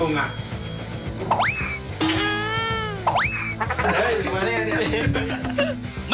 มันเหมือนข้าวตุงอ่ะ